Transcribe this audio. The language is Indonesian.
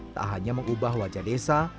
tak hanya mengubah wajah desa